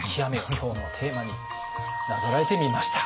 今日のテーマになぞらえてみました。